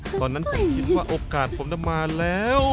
ตอนนั้นผมคิดว่าโอกาสผมจะมาแล้ว